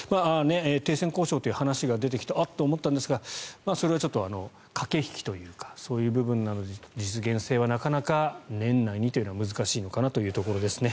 停戦交渉という話が出てきてあっと思ったんですがそれはちょっと駆け引きというかそういう部分なので実現性はなかなか年内にというのは難しいところですね。